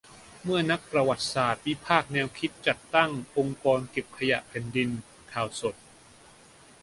เมื่อนักประวัติศาสตร์ วิพากษ์แนวคิดจัดตั้ง "องค์กรเก็บขยะแผ่นดิน" : ข่าวสด